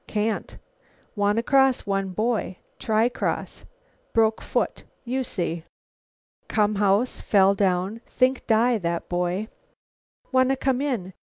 Can't. Wanna cross, one boy. Try cross. Broke foot. You see. Come house. Fell down. Think die, that boy. Wanna come in.